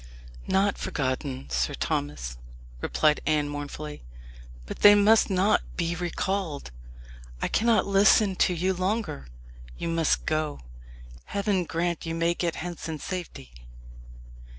"Not forgotten, Sir Thomas," replied Anne mournfully; "but they must not be recalled. I cannot listen to you longer. You must go. Heaven grant you may get hence in safety!"